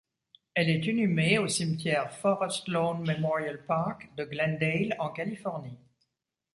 Elle est inhumée au cimetière Forest Lawn Memorial Park de Glendale en Californie.